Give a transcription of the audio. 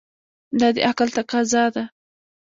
دا د عقل تقاضا ده.